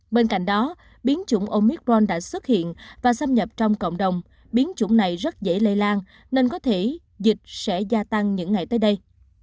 bên cạnh đó biến chủng omicron đã xuất hiện và xâm nhập trong cộng đồng biến chủng này rất dễ lây lan nên có thể dịch sẽ gia tăng những ngày tới đây